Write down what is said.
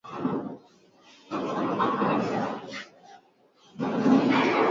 maghoha ni mhadhiri wa hapa chwariri dar es salam idara ya uhadisi wa mazingira